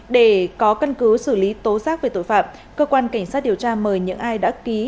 để có căn cứ xử lý tố giác về tội phạm cơ quan cảnh sát điều tra mời những ai đã ký